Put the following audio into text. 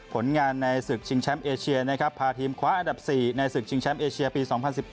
ผลงานในศึกชิงแชมป์เอเชียนะครับพาทีมคว้าอันดับ๔ในศึกชิงแชมป์เอเชียปี๒๐๑๘